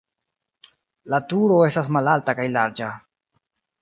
La turo estas malalta kaj larĝa.